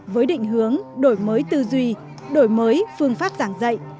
với định hướng đổi mới tư duy đổi mới phương pháp giảng dạy